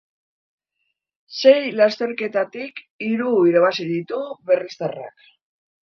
Sei lasterketatik hiru irabazi ditu berriztarrak.